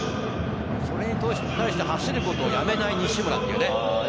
それに対して走ることをやめない西村ね。